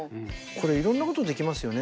これいろんなことできますよね。